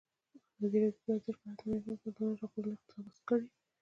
ازادي راډیو د ورزش په اړه د نړیوالو سازمانونو راپورونه اقتباس کړي.